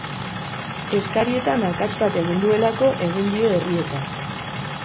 Eskarietan akats bat egin duelako egingo dio errieta.